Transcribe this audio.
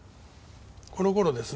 この頃ですね？